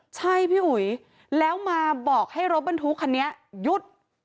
ใช่พี่อุ๋ยแล้วมาบอกให้รถบรรทุกคันนี้หยุด